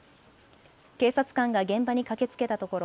警察官が現場に駆けつけたところ